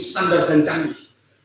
standar dan canggih